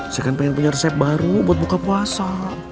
saya kan pengen punya resep baru buat buka puasa